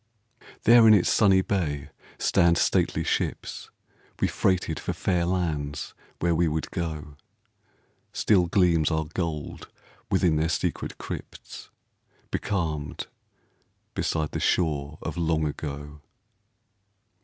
There in its sunny bay stand stately ships, We freighted for fair lands where we would go; Still gleams our gold within their secret crypts, Becalmed beside the shore of Long Ago.